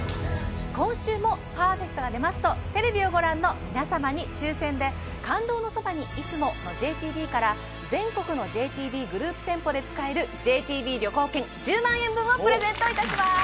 今週もパーフェクトが出ますとテレビをご覧の皆様に抽選で「感動のそばに、いつも。」のＪＴＢから全国のＪＴＢグループ店舗で使えるＪＴＢ旅行券１０万円分をプレゼントいたします